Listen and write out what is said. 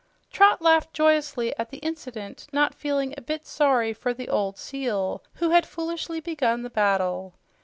Trot laughed joyously at the incident, not feeling a bit sorry for the old seal who had foolishly begun the battle.